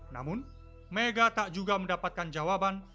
namun mega tak juga mendapatkan jawaban